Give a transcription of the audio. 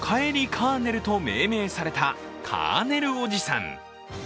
カーネルと命名されたカーネルおじさん。